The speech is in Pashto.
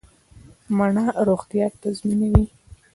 مڼه روغتیا تضمینوي